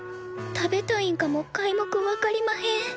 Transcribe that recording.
食べたいんかもかいもく分かりまへん。